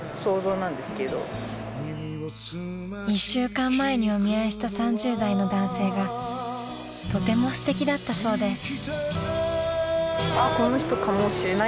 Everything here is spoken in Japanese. ［２週間前にお見合いした３０代の男性がとてもすてきだったそうで］